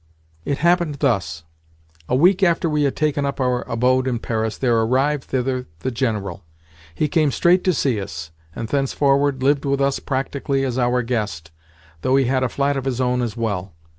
It happened thus: A week after we had taken up our abode in Paris there arrived thither the General. He came straight to see us, and thenceforward lived with us practically as our guest, though he had a flat of his own as well.